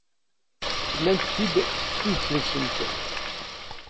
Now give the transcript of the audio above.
Nnant-t-id s tidet-nsent.